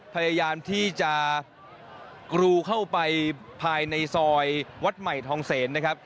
พยายามที่จะกรูเข้าไปภายในซอยวัดใหม่ทองเสนนะครับ